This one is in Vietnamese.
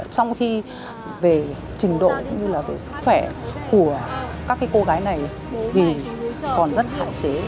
trong khi về trình độ cũng như là về sức khỏe của các cô gái này thì còn rất hạn chế